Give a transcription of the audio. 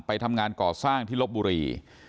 ไปทำงานก่อสร้างที่ลบบุรี